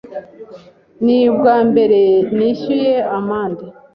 Ni ubwambere nishyuye amande.